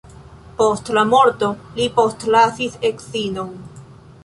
Post la morto li postlasis edzinon.